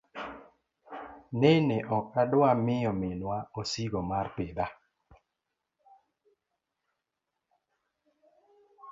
Nene ok adwar miyo minwa osigo mar pidha.